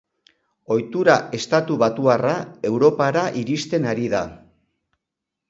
Ohitura estatubatuarra Europara iristen ari da.